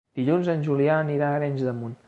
Dilluns en Julià anirà a Arenys de Munt.